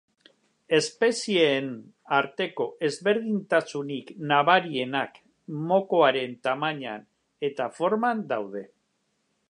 Espezieen arteko ezberdintasunik nabarienak mokoaren tamainan eta forman daude.